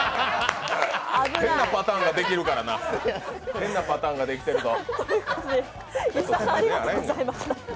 変なパターンができるからな変なパターンできてるぞ。